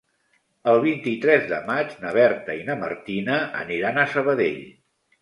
El vint-i-tres de maig na Berta i na Martina aniran a Sabadell.